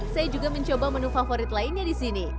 saya juga mencoba menu favorit lainnya di sini